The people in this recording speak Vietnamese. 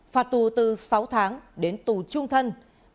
phạt tù từ sáu tháng đến tù trung thân